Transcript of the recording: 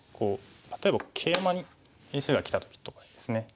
例えばケイマに石がきた時とかですね。